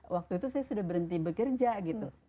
waktu itu saya sudah berhenti bekerja gitu